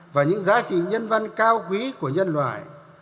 và những giá trị nhân văn cao quý của nhân loại